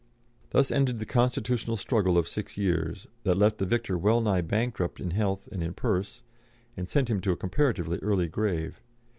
Thus ended the constitutional struggle of six years, that left the victor well nigh bankrupt in health and in purse, and sent him to a comparatively early grave.